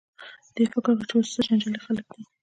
دې فکر وکړ چې دا اوس څه جنجالي خلک دي.